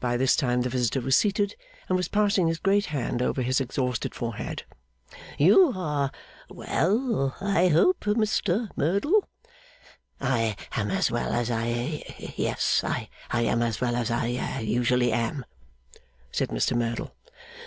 By this time the visitor was seated, and was passing his great hand over his exhausted forehead. 'You are well, I hope, Mr Merdle?' 'I am as well as I yes, I am as well as I usually am,' said Mr Merdle.